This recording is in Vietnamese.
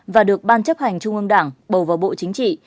và được ban chấp hành trung ương đảng bầu vào bộ chính trị